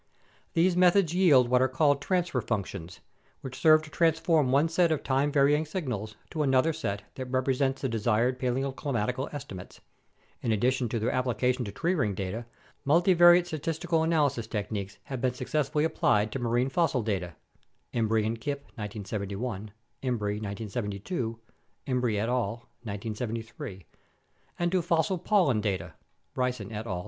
These methods yield what are called transfer func tions, which serve to transform one set of time varying signals to another set that represents the desired paleoclimatic estimates. In addition to their application to tree ring data, multivariate statistical analysis techniques have been successfully applied to marine fossil data (Imbrie and Kipp, 1971; Imbrie, 1972; Imbrie et al., 1973) and to fossil pollen data (Bryson et al.